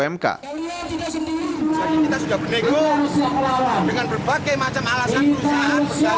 jadi kita sudah bernego dengan berbagai macam alasan perusahaan